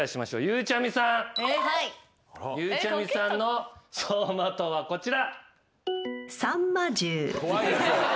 ゆうちゃみさんのソウマトウはこちら。